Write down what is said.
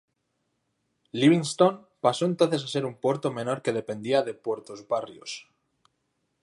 Livingston pasó entonces a ser un puerto menor que dependía de Puerto Barrios.